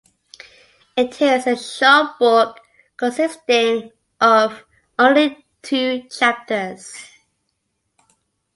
It is a short book, consisting of only two chapters.